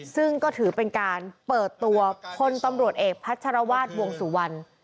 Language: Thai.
ซึ่งก็ถือเป็นการเปิดตัวพลตำรวจเอกพัชรวาสวงสุวรรณ